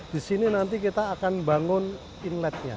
di sini nanti kita akan bangun inletnya